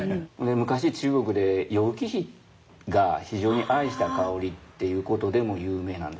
昔中国で楊貴妃が非常に愛した香りっていうことでも有名なんですよ。